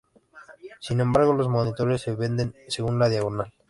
Sin embargo los monitores se venden según la diagonal.